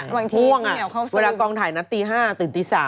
พ่วงเวลากองถ่ายน้ำตี๕ถึงตี๓